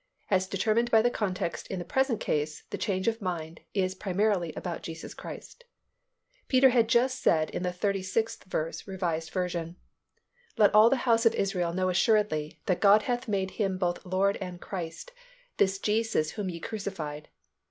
As determined by the context in the present case, the change of mind is primarily about Jesus Christ. Peter had just said in the thirty sixth verse, R. V., "Let all the house of Israel know assuredly, that God hath made Him both Lord and Christ, this Jesus whom ye crucified.